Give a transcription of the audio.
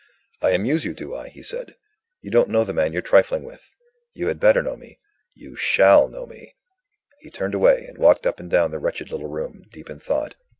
"I amuse you, do I?" he said. "You don't know the man you're trifling with. You had better know me. You shall know me." He turned away, and walked up and down the wretched little room, deep in thought.